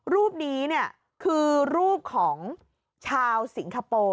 รูปนี้เนี่ยคือรูปของชาวสิงคโปร์